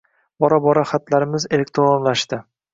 Bora-bora xatlarimiz elektronlashdi